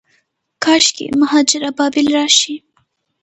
کاشکي، مهاجر ابابیل راشي